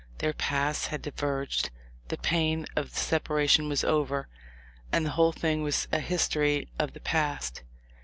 Their paths had diverged, the pain of the separation was over, and the whole thing was a history of the past.